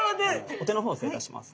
お手の方失礼いたします。